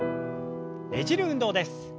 ねじる運動です。